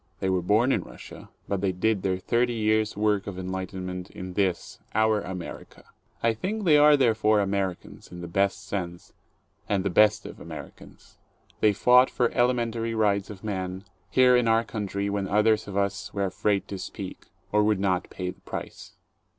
They were born in Russia, but they did their thirty years' work of en lightenment in this, our America. I think they are therefore Amer icans, in the best sense, and the best of Americans. They fought for the elementary rights of men, here in our country when others of us were afraid to speak, or would not pay the price.